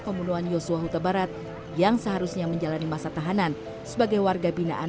pembunuhan yosua huta barat yang seharusnya menjalani masa tahanan sebagai warga binaan